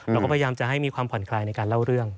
เราก็พยายามจะให้มีความผ่อนคลายในการเล่าเรื่อง